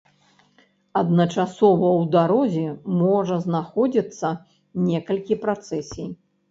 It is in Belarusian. Адначасова ў дарозе можа знаходзіцца некалькі працэсій.